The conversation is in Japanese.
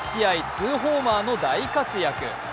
２ホーマーの大活躍。